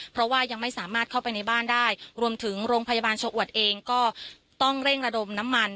เพราะว่ายังไม่สามารถเข้าไปในบ้านได้รวมถึงโรงพยาบาลชะอวดเองก็ต้องเร่งระดมน้ำมัน